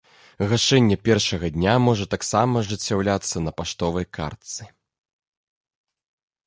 Гашэнне першага дня можа таксама ажыццяўляцца на паштовай картцы.